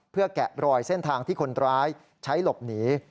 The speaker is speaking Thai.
แกะรอยเส้นทางที่คนร้ายใช้หลบหนี